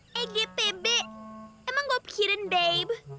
wah egpb emang gue pake hidden babe